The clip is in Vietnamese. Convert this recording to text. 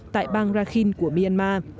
tại bang rakhine của myanmar